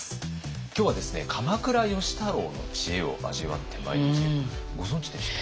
今日はですね鎌倉芳太郎の知恵を味わってまいりますけどご存じでした？